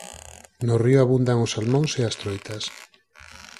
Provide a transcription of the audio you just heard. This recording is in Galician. No río abundan os salmóns e as troitas.